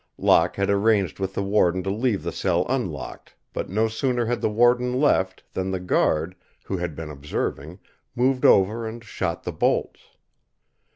Locke had arranged with the warden to leave the cell unlocked, but no sooner had the warden left than the guard, who had been observing, moved over and shot the bolts.